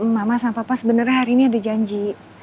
mama sama papa sebenarnya hari ini ada janji